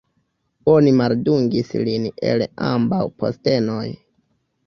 Oni maldungis lin el ambaŭ postenoj.